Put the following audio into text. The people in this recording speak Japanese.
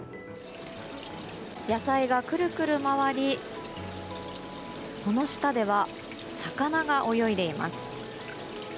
野菜がくるくる回りその下では魚が泳いでいます。